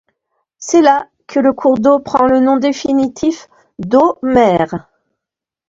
C'est là que le cours d'eau prend le nom définitif d'Eau Mère.